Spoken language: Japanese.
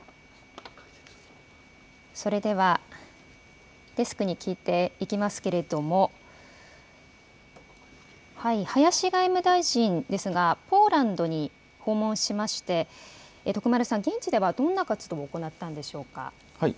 それではデスクに聞いていきますけれども林外務大臣ですがポーランドに訪問しまして徳丸さん、現地では、どんな活動を行ったんでしょうか。